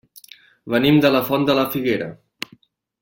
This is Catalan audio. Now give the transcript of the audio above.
Venim de la Font de la Figuera.